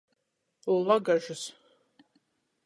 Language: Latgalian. Lagažys.